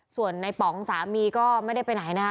ส่วนในป๋องสามีก็ไม่ได้ไปไหนนะคะ